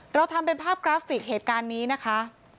เราทำเป็นภาพกราฟิกเหตุการณ์นี้นะคะ